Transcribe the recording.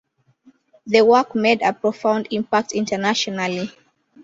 The work made a profound impact internationally.